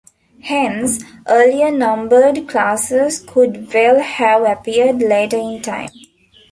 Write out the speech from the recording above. Hence earlier numbered classes could well have appeared later in time.